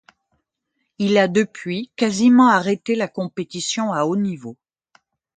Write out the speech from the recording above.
Il a depuis quasiment arrêté la compétition à haut niveau.